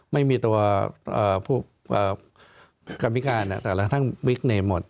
ไม่มีตัวกรรมิการแต่ละทั้งวิกเนมหมด